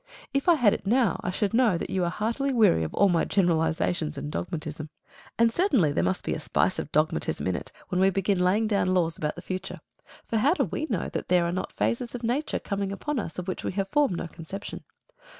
If I had it now I should know that you are heartily weary of all my generalisations and dogmatism. And certainly there must be a spice of dogmatism in it when we begin laying down laws about the future; for how do we know that there are not phases of nature coming upon us of which we have formed no conception?